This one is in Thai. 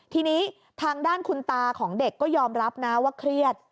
ทีนี้ทางด้านคุณตาของเด็กก็ยอมรับนะว่าเครียด